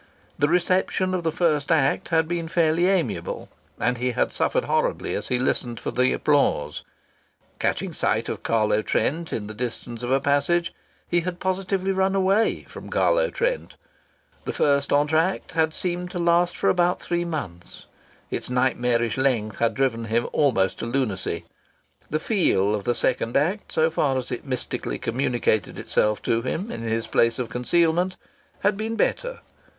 The reception of the first act had been fairly amiable, and he had suffered horribly as he listened for the applause. Catching sight of Carlo Trent in the distance of a passage, he had positively run away from Carlo Trent. The first entr'acte had seemed to last for about three months. Its nightmarish length had driven him almost to lunacy. The "feel" of the second act so far as it mystically communicated itself to him in his place of concealment had been better.